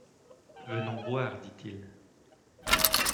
Venons boire, dit-il.